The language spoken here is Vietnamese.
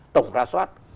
tổng rà soát